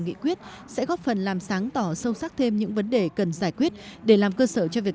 nghị quyết sẽ góp phần làm sáng tỏ sâu sắc thêm những vấn đề cần giải quyết để làm cơ sở cho việc